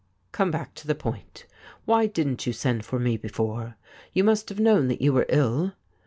' Come back to the point. Why didn't you send for me before — you must have known that you were ill